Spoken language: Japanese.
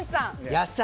野菜。